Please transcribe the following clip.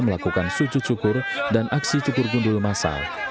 melakukan sujud syukur dan aksi cukur gundul masal